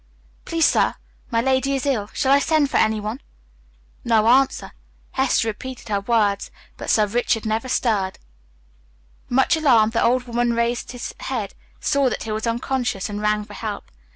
"Please, sir, my lady is ill. Shall I send for anyone?" No answer. Hester repeated her words, but Sir Richard never stirred. Much alarmed, the woman raised his head, saw that he was unconscious, and rang for help.